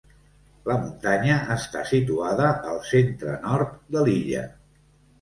La muntanya està situada al centre-nord de l'illa.